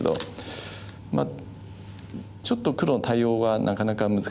まあちょっと黒の対応がなかなか難しかった。